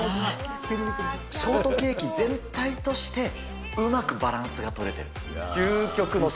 ショートケーキ全体としてうまくバランスが取れてる。